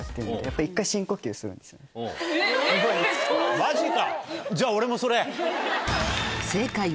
マジか！